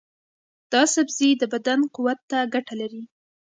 دا سبزی د بدن قوت ته ګټه لري.